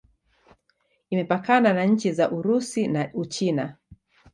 Imepakana na nchi za Urusi na Uchina.